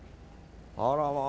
あらまあ。